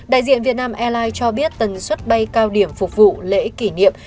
đại diện vietnam airlines cho biết tần suất bay cao điểm phục vụ lễ kỷ niệm